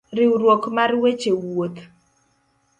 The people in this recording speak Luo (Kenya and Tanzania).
Riwruok mar weche wuoth